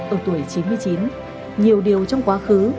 ở tuổi chín mươi chín nhiều điều trong quá khứ